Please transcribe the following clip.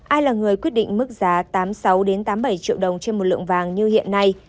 ai là người quyết định mức giá tám mươi sáu tám mươi bảy triệu đồng trên một lượng vàng như hiện nay